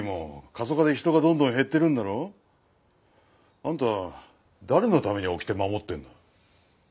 あんた誰のためにおきて守ってんだ？